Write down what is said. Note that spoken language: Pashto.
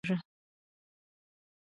د ژونده مه نا هیله کېږه !